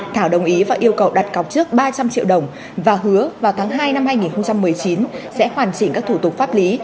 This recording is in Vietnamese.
thảo đồng ý và yêu cầu đặt cọc trước ba trăm linh triệu đồng và hứa vào tháng hai năm hai nghìn một mươi chín sẽ hoàn chỉnh các thủ tục pháp lý